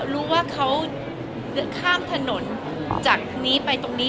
รู้ว่าเขาข้ามถนนจากนี้ไปตรงนี้